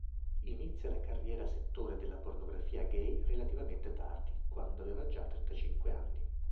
Inizia la carriera settore della pornografia gay relativamente tardi, quando aveva già trentacinque anni.